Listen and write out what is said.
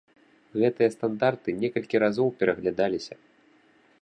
Гэтыя стандарты некалькі разоў пераглядаліся.